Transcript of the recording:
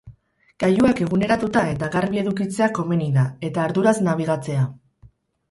Gailuak eguneratuta eta garbi edukitzea komeni da, eta arduraz nabigatzea.